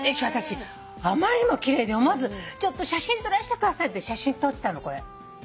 私あまりにも奇麗で思わずちょっと写真撮らせてくださいって写真撮ったのこれ。